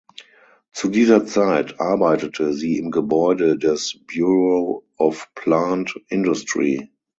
Zu dieser Zeit arbeitete sie im Gebäude des Bureau of Plant Industry.